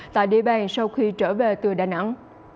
tại địa bàn sau khi trở về từ đà nẵng